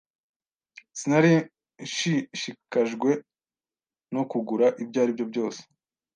Sinari nshishikajwe no kugura ibyo aribyo byose.